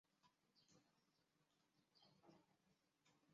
据说阿瑜陀耶的战争藉口之一是其治下奴隶不断逃亡至素可泰。